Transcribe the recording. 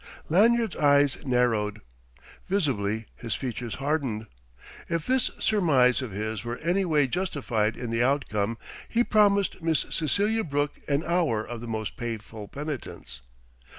Lanyard's eyes narrowed. Visibly his features hardened. If this surmise of his were any way justified in the outcome, he promised Miss Cecelia Brooke an hour of most painful penitence.